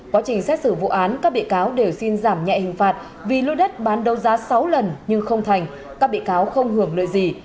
quá trình xét xử vụ án các bị cáo đều xin giảm nhẹ hình phạt vì lôi đất bán đấu giá sáu lần nhưng không thành các bị cáo không hưởng lợi gì